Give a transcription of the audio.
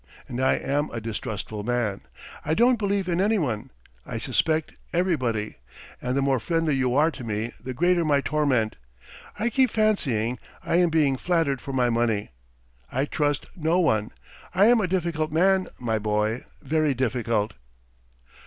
And I am a distrustful man. I don't believe in anyone, I suspect everybody. And the more friendly you are to me the greater my torment. I keep fancying I am being flattered for my money. I trust no one! I am a difficult man, my boy, very difficult!"